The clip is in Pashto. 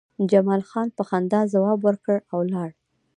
جمال خان په خندا ځواب ورکړ او لاړ